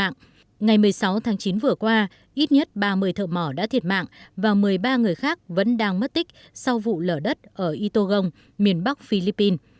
ngày một mươi sáu tháng chín vừa qua ít nhất ba mươi thợ mỏ đã thiệt mạng và một mươi ba người khác vẫn đang mất tích sau vụ lở đất ở itogon miền bắc philippines